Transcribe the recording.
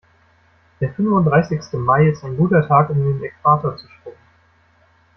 Der fünfunddreißigste Mai ist ein guter Tag, um den Äquator zu schrubben.